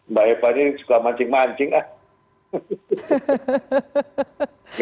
mbak eva ini suka mancing mancing ah